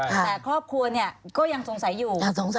ค่ะครอบครัวเนี่ยก็ยังสงสัยอยู่